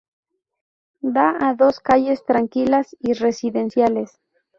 Da a dos calles tranquilas y residenciales.